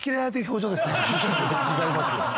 違いますよ。